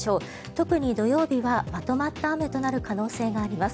特に土曜日はまとまった雨となる可能性があります。